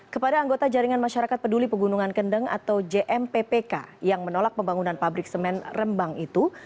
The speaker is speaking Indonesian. kepada anggota jaringan masyarakat peduli pegunungan kendeng atau jmpppk yang menolak pembangunan pabrik semen rembang itu